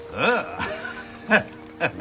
アハハハハ。